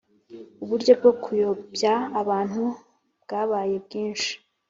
uburyo bwo kuyobya abantu bwabaye bwinshi